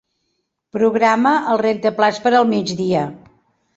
Programa el rentaplats per al migdia.